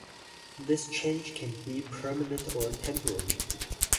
This change can be permanent or temporary.